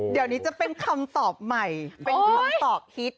เดี๋ยวนี้จะเป็นคำตอบใหม่เป็นคำตอบฮิต